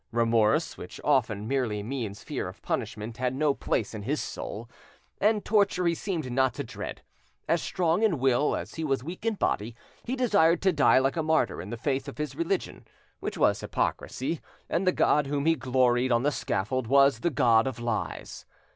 Remorse, which often merely means fear of punishment, had no place in his soul, and torture he seemed not to dread. As strong in will as he was weak in body, he desired to die like a martyr in the faith of his religion, which was hypocrisy, and the God whom he gloried on the scaffold was the god of lies.